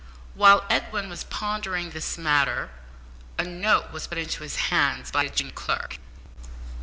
While Edwin was pondering this matter, a note was put into his hands by a junior clerk.